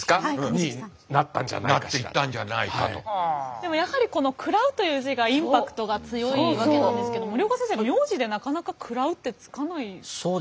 でもやはりこの「喰らう」という字がインパクトが強いわけなんですけど森岡先生名字でなかなか「喰らう」って付かないイメージが。